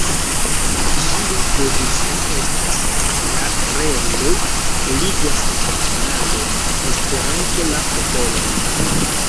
Ĝia devizo estas: ""La reloj ligas la landojn, Esperanto la popolojn.